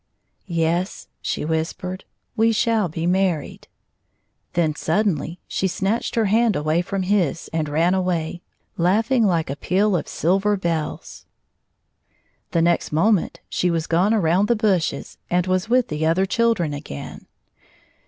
" Yes," she whispered, " we shall be married." Then suddenly she snatched her hand away from his and ran away, laughing like a peal of silver 88 bells. The next moment she was gone around the bushes and was with the other children again.